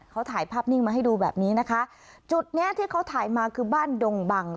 เขาถ่ายภาพนิ่งมาให้ดูแบบนี้นะคะจุดเนี้ยที่เขาถ่ายมาคือบ้านดงบัง